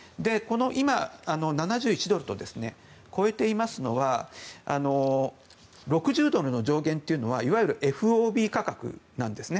今、７１ドルと超えていますのは６０ドルの上限はいわゆるＦＯＢ価格なんです。